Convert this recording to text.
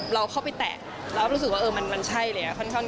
เราเข้าไปแตกแล้วเรารู้สึกว่าเออมันใช่เลยบ้างแล้ว